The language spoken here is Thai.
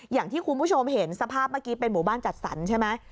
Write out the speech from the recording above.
อย่างที่คุณผู้ชมเห็นสภาพเมื่อกี้เป็นหมู่บ้านจัดสรรใช่ไหม